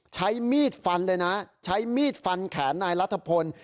ใช้มีดฟันเลยนะใช้มีดฟันแขนนายรัฐพล